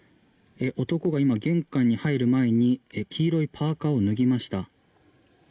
男が今、玄関に入る前に黄色いパーカを脱ぎました。